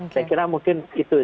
saya kira mungkin itu